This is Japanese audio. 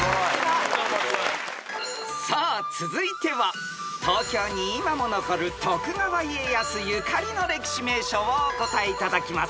［さあ続いては東京に今も残る徳川家康ゆかりの歴史名所をお答えいただきます］